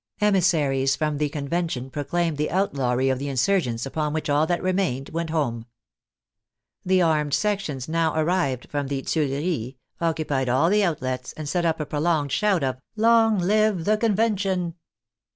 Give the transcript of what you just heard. Emis saries from the Convention proclaimed the outlawry of the insurgents, upon which all that remained went home. The armed sections now arrived from the Tuileries, occupied all the outlets, and set up a prolonged shout of " Long live the Convention